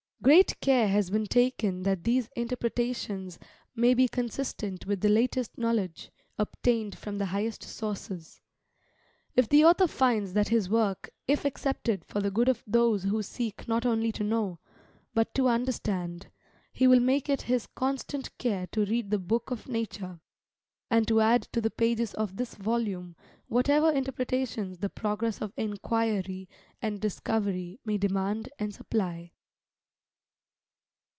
Great care has been taken that these interpretations may be consistent with the latest knowledge, obtained from the highest sources. If the author finds that his work if accepted for the good of those who seek not only to know, but to understand, he will make it his constant care to read the Book of Nature, and to add to the pages of this volume whatever interpretations the progress of enquiry and discovery may demand and supply.